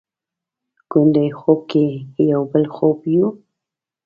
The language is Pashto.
ګوندې خوب کې یو بل خوب یو؟